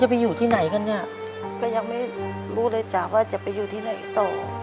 ไปอยู่ที่ไหนกันเนี่ยก็ยังไม่รู้เลยจ้ะว่าจะไปอยู่ที่ไหนต่อ